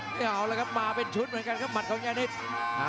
ไม่เอาแล้วครับมาเป็นชุดเหมือนกันครับหัดของยานิด